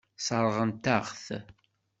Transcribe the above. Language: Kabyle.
Sseṛɣent-aɣ-t.